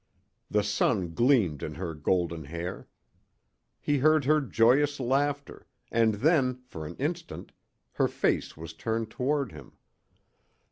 The sun gleamed in her golden hair. He heard her joyous laughter; and then, for an instant, her face was turned toward him.